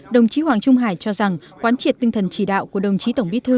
đồng chí hoàng trung hải cho rằng quán triệt tinh thần chỉ đạo của đồng chí tổng bí thư